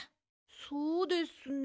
そうですね。